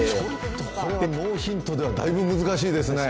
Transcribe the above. これはノーヒントではだいぶ難しいですね。